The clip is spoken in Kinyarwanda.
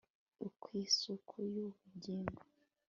Isukuisuku yubugingo